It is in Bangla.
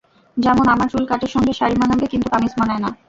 যেমন আমার চুল কাটের সঙ্গে শাড়ি মানাবে কিন্তু কামিজ মানায় না।